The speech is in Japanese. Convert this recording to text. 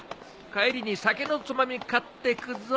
帰りに酒のつまみ買ってくぞ。